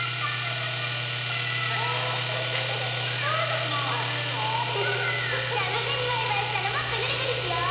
じゃあみんなにバイバイしたらもっとぐるぐるしよう！